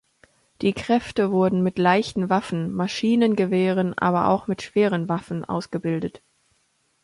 Die Kräfte wurden mit leichten Waffen, Maschinengewehren aber auch mit schweren Waffen ausgebildet.